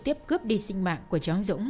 tiếp cướp đi sinh mạng của cháu dũng